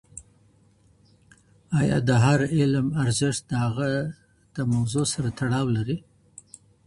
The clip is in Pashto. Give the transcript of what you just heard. ايا د هر علم ارزښت د هغه د موضوع سره تړاو لري؟